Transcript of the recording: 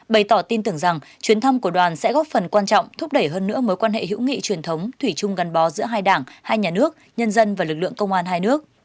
bày tỏ tin tưởng rằng chuyến thăm của đoàn sẽ góp phần quan trọng thúc đẩy hơn nữa mối quan hệ hữu nghị truyền thống thủy chung gắn bó giữa hai đảng hai nhà nước nhân dân và lực lượng công an hai nước